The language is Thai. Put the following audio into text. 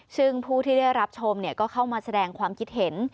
ซึ่งผู้ที่ได้รับชมก็เข้ามาแสดงความคิดเห็น